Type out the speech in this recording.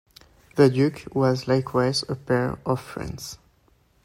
The Duke was likewise a "pair" of France.